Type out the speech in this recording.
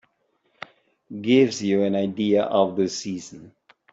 Gives you an idea of the season.